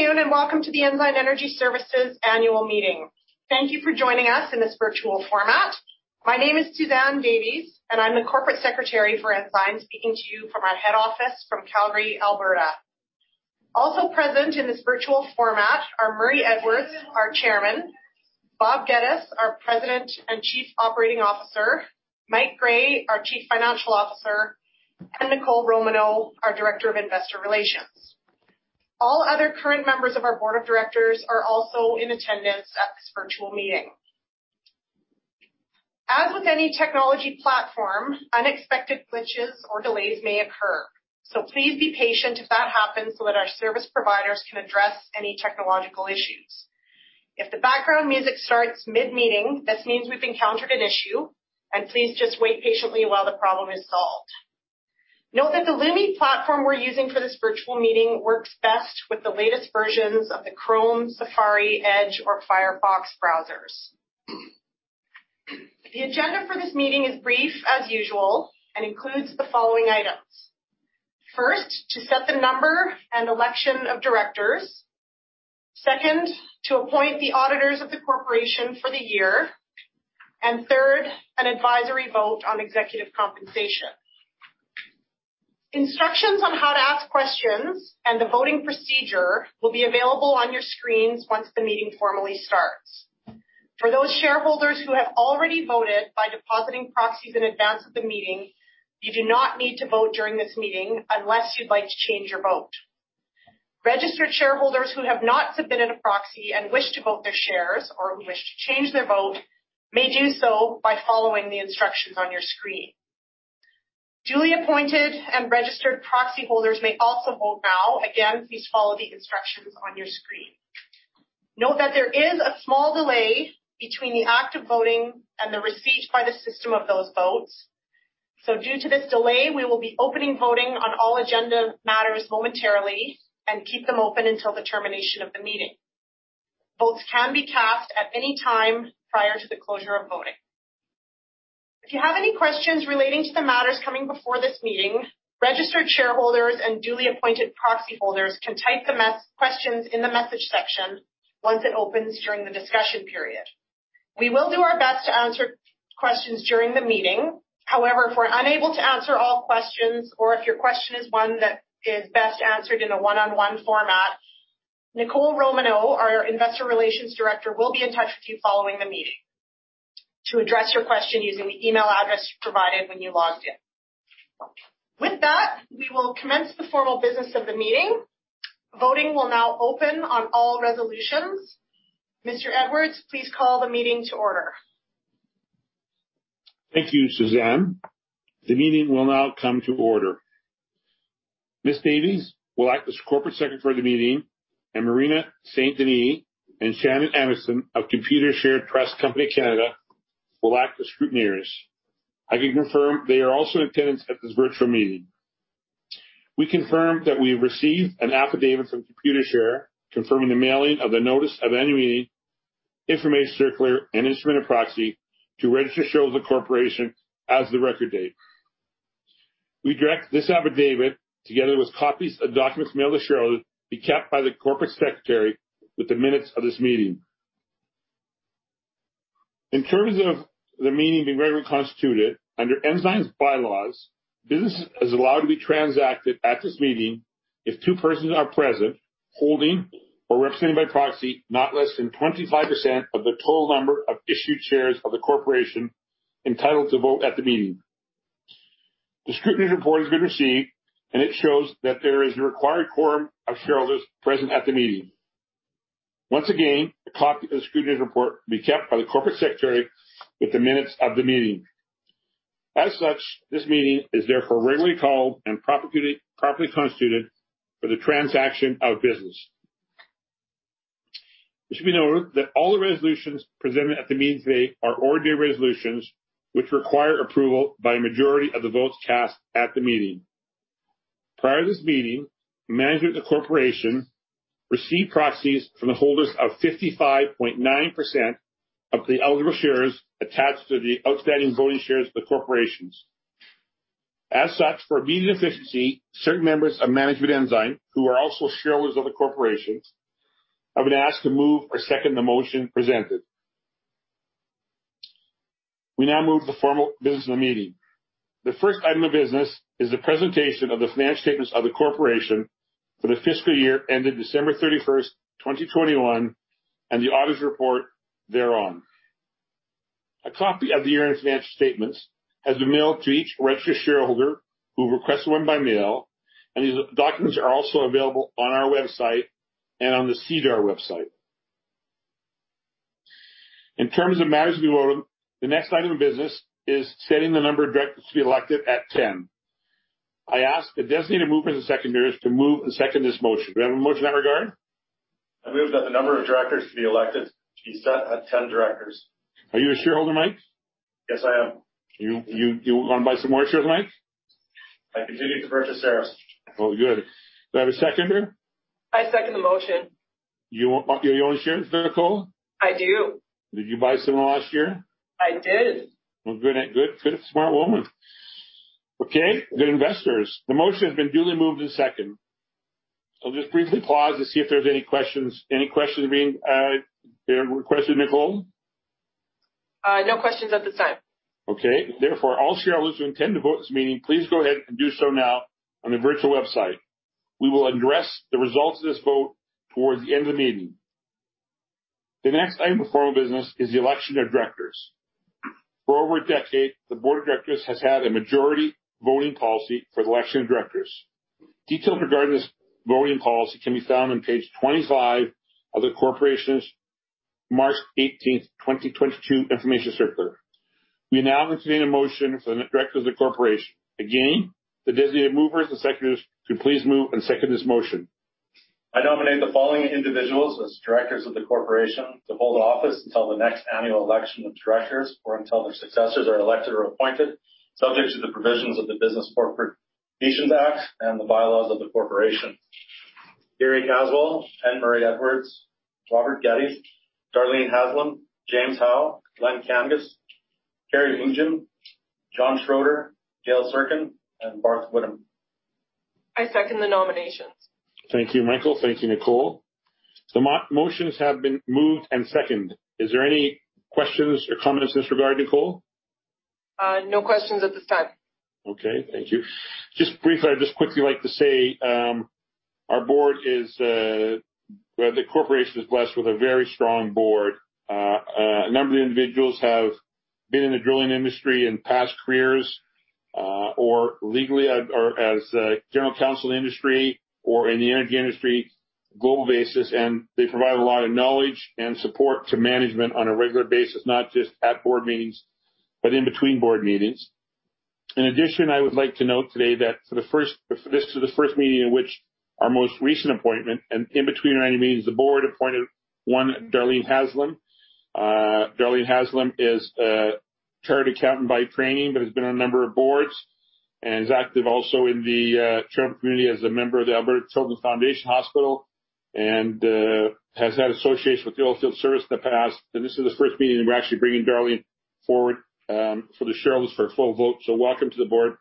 Good afternoon, and welcome to the Ensign Energy Services annual meeting. Thank you for joining us in this virtual format. My name is Suzanne Davies, and I'm the Corporate Secretary for Ensign, speaking to you from our head office in Calgary, Alberta. Also present in this virtual format are Murray Edwards, our Chairman, Bob Geddes, our President and Chief Operating Officer, Mike Gray, our Chief Financial Officer, and Nicole Romanow, our Director of Investor Relations. All other current members of our Board of Directors are also in attendance at this virtual meeting. As with any technology platform, unexpected glitches or delays may occur, so please be patient if that happens so that our service providers can address any technological issues. If the background music starts mid-meeting, this means we've encountered an issue, and please just wait patiently while the problem is solved. Note that the Lumi platform we're using for this virtual meeting works best with the latest versions of the Chrome, Safari, Edge or Firefox browsers. The agenda for this meeting is brief as usual and includes the following items. First, to set the number and election of directors. Second, to appoint the auditors of the corporation for the year. Third, an advisory vote on executive compensation. Instructions on how to ask questions and the voting procedure will be available on your screens once the meeting formally starts. For those shareholders who have already voted by depositing proxies in advance of the meeting, you do not need to vote during this meeting unless you'd like to change your vote. Registered shareholders who have not submitted a proxy and wish to vote their shares or who wish to change their vote may do so by following the instructions on your screen. Duly appointed and registered proxy holders may also vote now. Again, please follow the instructions on your screen. Note that there is a small delay between the act of voting and the receipt by the system of those votes. Due to this delay, we will be opening voting on all agenda matters momentarily and keep them open until the termination of the meeting. Votes can be cast at any time prior to the closure of voting. If you have any questions relating to the matters coming before this meeting, registered shareholders and duly appointed proxy holders can type questions in the message section once it opens during the discussion period. We will do our best to answer questions during the meeting. However, if we're unable to answer all questions or if your question is one that is best answered in a one-on-one format, Nicole Romanow, our Investor Relations Director, will be in touch with you following the meeting to address your question using the email address you provided when you logged in. With that, we will commence the formal business of the meeting. Voting will now open on all resolutions. Mr. Edwards, please call the meeting to order. Thank you, Suzanne. The meeting will now come to order. Ms. Davies will act as Corporate Secretary of the meeting, and Marina St. Denis and Shannon Emerson of Computershare Trust Company of Canada will act as scrutineers. I can confirm they are also in attendance at this virtual meeting. We confirm that we have received an affidavit from Computershare confirming the mailing of the Notice of Annual Meeting, Information Circular, and Instrument Proxy to registered shareholders of the corporation as of the record date. We direct this affidavit, together with copies of documents mailed to shareholders, be kept by the Corporate Secretary with the minutes of this meeting. In terms of the meeting being regularly constituted, under Ensign's bylaws, business is allowed to be transacted at this meeting if two persons are present, holding or represented by proxy, not less than 25% of the total number of issued shares of the corporation entitled to vote at the meeting. The scrutineer's report has been received, and it shows that there is a required quorum of shareholders present at the meeting. Once again, a copy of the scrutineer's report will be kept by the corporate secretary with the minutes of the meeting. As such, this meeting is therefore regularly called and properly constituted for the transaction of business. It should be noted that all the resolutions presented at the meeting today are ordinary resolutions which require approval by a majority of the votes cast at the meeting. Prior to this meeting, management of the corporation received proxies from the holders of 55.9% of the eligible shares attached to the outstanding voting shares of the corporation. As such, for meeting efficiency, certain members of management, Ensign, who are also shareholders of the corporation, have been asked to move or second the motion presented. We now move to the formal business of the meeting. The first item of business is the presentation of the financial statements of the corporation for the fiscal year ended December 31st, 2021, and the auditor's report thereon. A copy of the year-end financial statements has been mailed to each registered shareholder who requested one by mail, and these documents are also available on our website and on the SEDAR website. In terms of matters of new order, the next item of business is setting the number of directors to be elected at 10. I ask the designated movers and seconders to move and second this motion. Do we have a motion in that regard? I move that the number of directors to be elected be set at 10 directors. Are you a shareholder, Mike? Yes, I am. You wanna buy some more shares, Mike? I continue to purchase shares. Oh, good. Do I have a seconder? I second the motion. You own shares, Nicole? I do. Did you buy some last year? I did. Well, good. Smart woman. Okay, the investors. The motion has been duly moved and seconded. I'll just briefly pause to see if there's any questions. Any questions being requested, Nicole? No questions at this time. Okay. Therefore, all shareholders who intend to vote this meeting, please go ahead and do so now on the virtual website. We will address the results of this vote towards the end of the meeting. The next item of formal business is the election of directors. For over a decade, the Board of Directors has had a majority voting policy for the election of directors. Details regarding this voting policy can be found on page 25 of the corporation's March 18, 2022 information circular. We now entertain a motion for the directors of the corporation. Again, the designated movers and seconders could please move and second this motion. I nominate the following individuals as directors of the corporation to hold office until the next annual election of directors or until their successors are elected or appointed, subject to the provisions of the Business Corporations Act and the bylaws of the corporation. Gary Casswell, N. Murray Edwards, Bob Geddes, Darlene Haslam, James Howe, Len Kangas, Perry Luggen, John Schroeder, Gail Surkan, and Barth Whitham. I second the nominations. Thank you, Michael. Thank you, Nicole. The motions have been moved and seconded. Is there any questions or comments in this regard, Nicole? No questions at this time. Okay, thank you. Just briefly, I'd just quickly like to say, our Board is, well, the corporation is blessed with a very strong Board. A number of individuals have been in the drilling industry in past careers, or legally or as general counsel in the industry or in the energy industry on a global basis, and they provide a lot of knowledge and support to management on a regular basis, not just at Board meetings, but in between Board meetings. In addition, I would like to note today that this is the first meeting in which our most recent appointment, and in between our annual meetings, the Board appointed Darlene Haslam. Darlene Haslam is a chartered accountant by training, but has been on a number of Boards and is active also in the children's community as a member of the Alberta Children's Hospital Foundation, and has had associations with the oilfield services in the past. This is the first meeting we're actually bringing Darlene forward for the shareholders for a full vote. Welcome to the Board,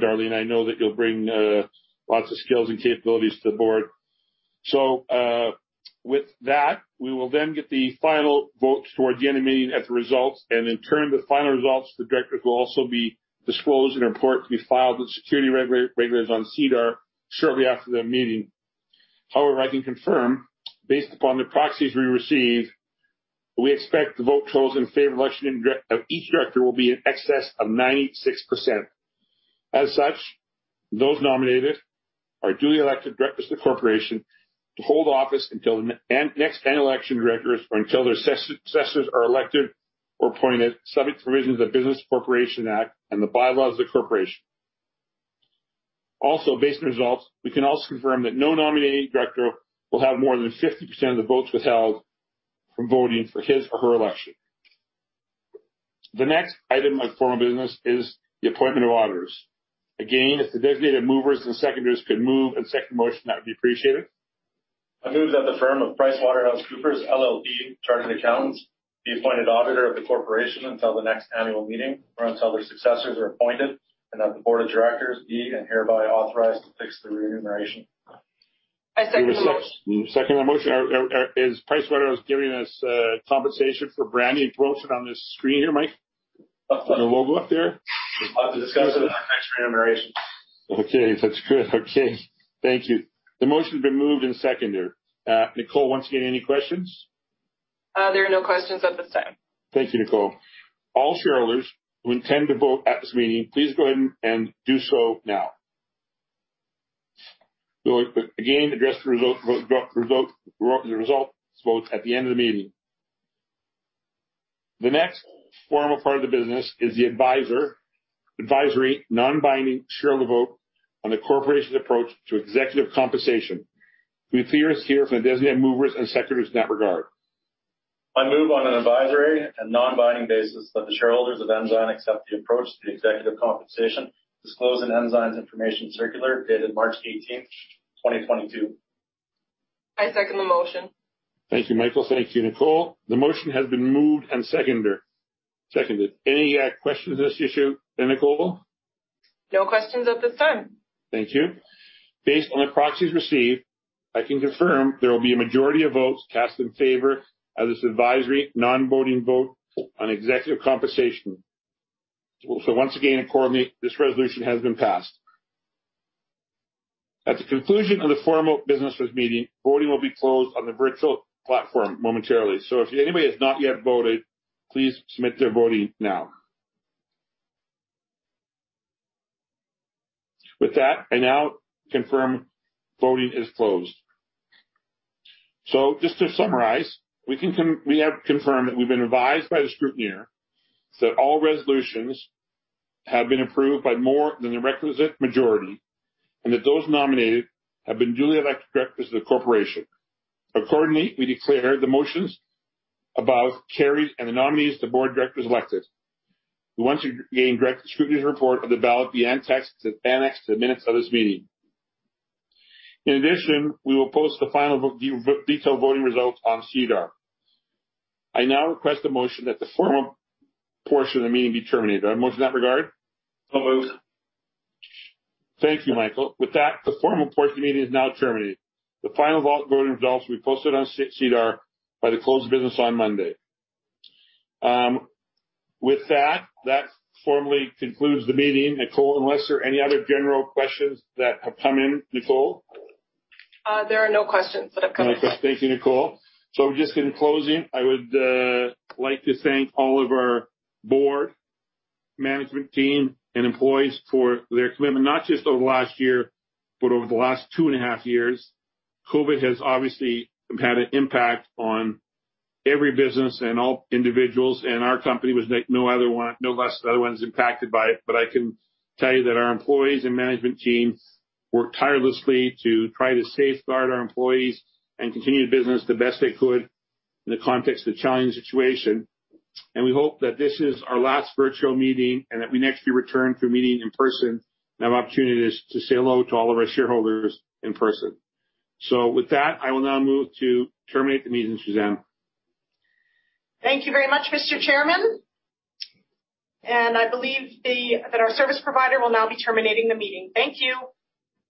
Darlene. I know that you'll bring lots of skills and capabilities to the Board. With that, we will then get the final votes towards the end of the meeting at the results, and in turn, the final results of the directors will also be disclosed in a report to be filed with securities regulators on SEDAR shortly after the meeting. However, I can confirm, based upon the proxies we received, we expect the vote totals in favor of election of each director will be in excess of 96%. As such, those nominated are duly elected directors of the corporation to hold office until the next annual election of directors or until their successors are elected or appointed, subject to the provisions of Business Corporations Act and the bylaws of the corporation. Also, based on results, we can also confirm that no nominating director will have more than 50% of the votes withheld from voting for his or her election. The next item of formal business is the appointment of auditors. Again, if the designated movers and seconders could move and second the motion, that would be appreciated. I move that the firm of PricewaterhouseCoopers LLP, Chartered Accountants, be appointed auditor of the corporation until the next annual meeting or until their successors are appointed, and that the Board of Directors be, and hereby authorized to fix their remuneration. I second the motion. You second the motion. Is PricewaterhouseCoopers giving us compensation for branding and promotion on this screen here, Mike? The logo up there. I'll have to discuss it on next remuneration. Okay, that's good. Okay. Thank you. The motion has been moved and seconded. Nicole, once again, any questions? There are no questions at this time. Thank you, Nicole. All shareholders who intend to vote at this meeting, please go ahead and do so now. We'll again address the results votes at the end of the meeting. The next formal part of the business is the advisory non-binding shareholder vote on the corporation's approach to executive compensation. We look here for the designated movers and seconders in that regard. I move on an advisory and non-binding basis that the shareholders of Ensign accept the approach to the executive compensation disclosed in Ensign's information circular dated March 18th, 2022. I second the motion. Thank you, Michael. Thank you, Nicole. The motion has been moved and seconded. Any questions on this issue then, Nicole? No questions at this time. Thank you. Based on the proxies received, I can confirm there will be a majority of votes cast in favor of this advisory non-voting vote on executive compensation. Once again, accordingly, this resolution has been passed. At the conclusion of the formal business of this meeting, voting will be closed on the virtual platform momentarily. If anybody has not yet voted, please submit their voting now. With that, I now confirm voting is closed. Just to summarize, we have confirmed that we've been advised by the scrutineer that all resolutions have been approved by more than the requisite majority and that those nominated have been duly elected directors of the corporation. Accordingly, we declare the motions above carried and the nominees to the Board of Directors elected. Once again, the scrutineer's report of the ballot be annexed to the minutes of this meeting. In addition, we will post the final detailed voting results on SEDAR. I now request a motion that the formal portion of the meeting be terminated. A motion in that regard? Moved. Thank you, Michael. With that, the formal portion of the meeting is now terminated. The final voting results will be posted on SEDAR by the close of business on Monday. With that formally concludes the meeting. Nicole, unless there are any other general questions that have come in, Nicole? There are no questions that have come in. Okay. Thank you, Nicole. Just in closing, I would like to thank all of our Board, management team, and employees for their commitment, not just over the last year, but over the last two and a half years. COVID has obviously had an impact on every business and all individuals, and our company was no less than other ones impacted by it. I can tell you that our employees and management team worked tirelessly to try to safeguard our employees and continue the business the best they could in the context of the challenging situation. We hope that this is our last virtual meeting and that we next year return to meeting in person and have opportunities to say hello to all of our shareholders in person. With that, I will now move to terminate the meeting, Suzanne. Thank you very much, Mr. Chairman. I believe that our service provider will now be terminating the meeting. Thank you.